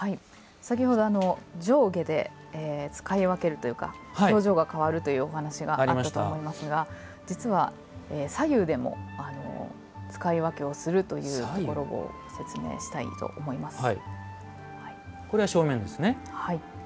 先ほど、上下で使い分けるというか表情が変わるというお話があったと思いますが実は、左右でも使い分けをするというところも説明したいと思います。